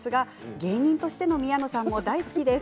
芸人としての宮野さんも大好きです。